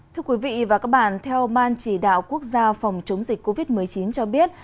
thưa quý vị và các bạn theo ban chỉ đạo quốc gia phòng chống dịch covid một mươi chín cho biết